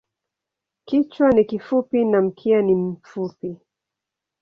Kichwa ni kifupi na mkia ni mfupi.